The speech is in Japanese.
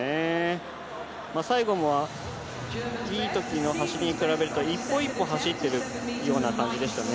最後のいい時の走りに比べると一歩一歩走ってるような感じでした。